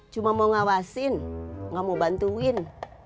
cuma mau ngawasin nggak mau bantuin